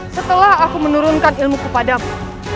setelah aku menurunkan ilmu kepadamu